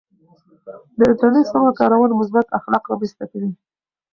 د انټرنیټ سمه کارونه مثبت اخلاق رامنځته کوي.